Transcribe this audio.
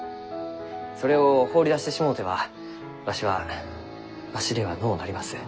それを放り出してしもうてはわしはわしではのうなります。